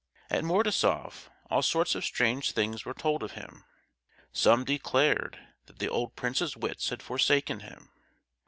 At Mordasoff all sorts of strange things were told of him. Some declared that the old prince's wits had forsaken him.